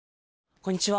こんにちは。